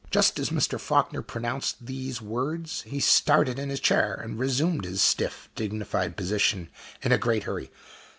Just as Mr. Faulkner pronounced these words he started in his chair, and resumed his stiff, dignified position in a great hurry.